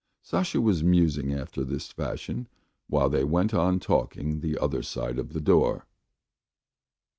..." Sasha was musing after this fashion while they went on talking the other side of the door.